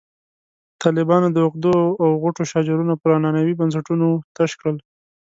طالبانو د عقدو او غوټو شاجورونه پر عنعنوي بنسټونو تش کړل.